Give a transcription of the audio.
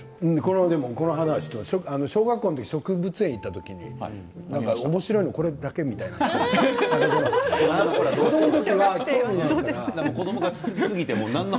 この話、小学生の時植物園に行った時におもしろいのはこれだけみたいな他のものは興味がないから。